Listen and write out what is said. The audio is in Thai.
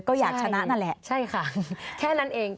ก็อยากชนะนั่นแหละใช่ค่ะแค่นั้นเอง